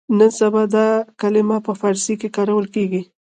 نن سبا دا کلمه په فارسي کې کارول کېږي.